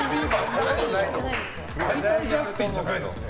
大体ジャスティンじゃないでしょ。